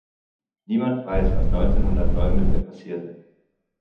Niemand weiß was neunzehnhundertneun mit ihr passierte.